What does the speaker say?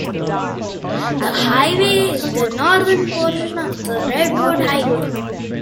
The highway is the northern portion of the Redwood Highway.